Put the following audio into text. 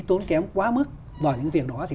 tốn kém quá mức vào những việc đó thì